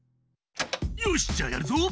よしじゃあやるぞ。